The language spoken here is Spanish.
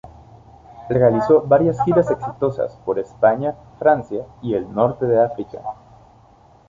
Realizó varias giras exitosas por España, Francia y el Norte de África.